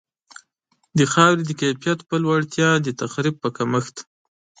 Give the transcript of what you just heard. د خاورې د کیفیت په لوړتیا، د تخریب په کمښت.